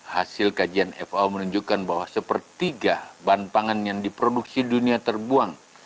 hasil kajian fau menunjukkan bahwa sepertiga bahan pangan yang diproduksi dunia terbuang